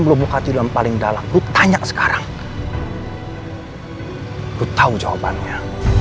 blokadilum paling dalam lu tanya sekarang lu tahu jawabannya